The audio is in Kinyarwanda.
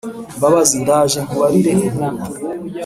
mbabazi , ndaje nkubarire inkuru